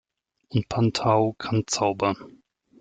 Und Pan Tau kann zaubern.